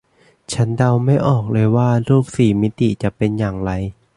ฉันเดาไม่ออกเลยว่ารูปสี่มิติจะเป็นอย่างไร